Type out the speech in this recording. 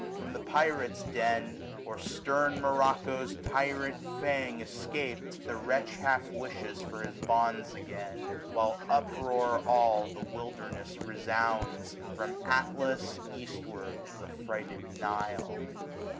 From the Pyrate's den. Or stern Morocco's tyrant fang escap'd, g^^ SUMMER. 85 The wretch half wishes for his bonds again : While, uproar all, the wilderness resounds, ' From Atlas eastward to the frighted Nile.